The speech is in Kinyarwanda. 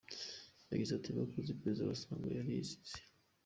Yagize ati “Bakoze iperereza basanga yarizize.